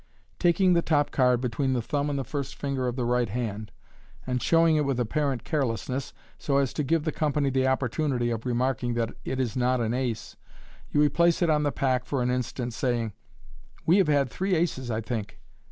Taking the top card between the thumb and first finger of the right hand, and showing it with apparent carelessness, so as to give the company the opportunity of remarking that it is not an ace, you replace it on the pack for an instant, saying, "We have had three aces, I think.